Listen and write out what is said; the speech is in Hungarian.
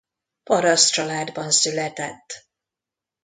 Paraszt családban született.